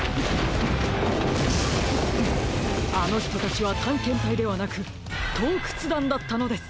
あのひとたちはたんけんたいではなくとうくつだんだったのです！